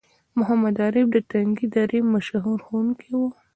محمد عارف د تنگي درې مشهور ښوونکی وو